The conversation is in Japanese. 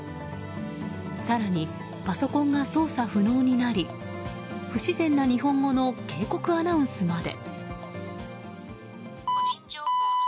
更に、パソコンが操作不能になり不自然な日本語の警告アナウンスまで。